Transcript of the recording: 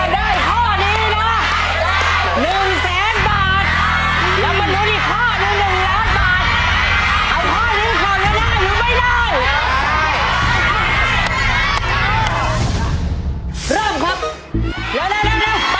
ได้ข้อนี้นะหนึ่งแสนบาทสำมารถลุ้นอีกข้อหนึ่งหนึ่งล้านบาท